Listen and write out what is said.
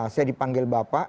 saya dipanggil bapak